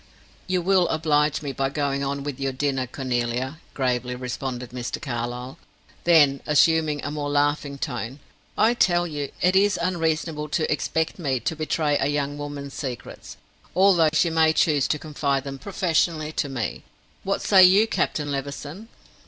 "You will oblige me by going on with your dinner, Cornelia," gravely responded Mr. Carlyle. Then assuming a more laughing tone "I tell you it is unreasonable to expect me to betray a young woman's secrets, although she may choose to confide them professionally to me. What say you, Captain Levison?"